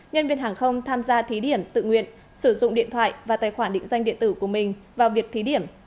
nhân viên hàng không tham gia thí điểm tự nguyện sử dụng điện thoại và tài khoản định danh điện tử của mình vào việc thí điểm